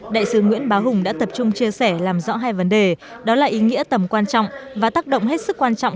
đại sứ nguyễn bá hùng đã tập trung chia sẻ làm rõ hai vấn đề đó là ý nghĩa tầm quan trọng và tác động hết sức quan trọng